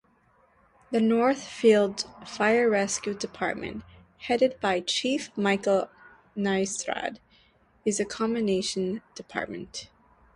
The Northfield Fire-Rescue Department, headed by Chief Michael Nystrand, is a combination department.